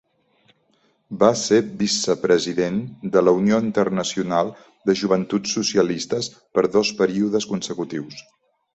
Va ser vicepresident de la Unió Internacional de Joventuts Socialistes per dos períodes consecutius.